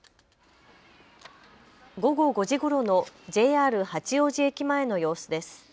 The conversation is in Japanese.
午後５時ごろのＪＲ八王子駅前の様子です。